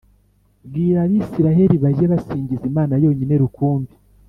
Bwira abisiraheri bajye basingiza Imana yonyine rukumbi